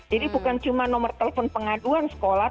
jadi bukan cuma nomor telepon pengaduan sekolah